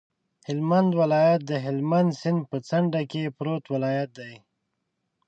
هلمند ولایت د هلمند سیند په څنډه کې پروت ولایت دی.